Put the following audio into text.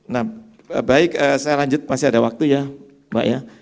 nah baik saya lanjut masih ada waktu ya mbak ya